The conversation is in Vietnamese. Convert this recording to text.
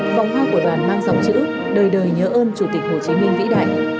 vòng hoa của đoàn mang dòng chữ đời đời nhớ ơn chủ tịch hồ chí minh vĩ đại